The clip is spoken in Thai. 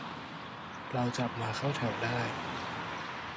"เราจับมาเข้าแถวได้"